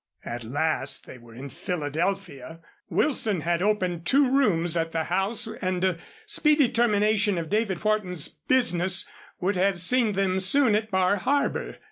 At last they were in Philadelphia. Wilson had opened two rooms at the house and a speedy termination of David Wharton's business would have seen them soon at Bar Harbor.